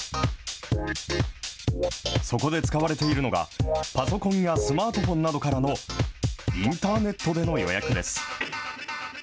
そこで使われているのが、パソコンやスマートフォンなどからのインターネットでの予約です。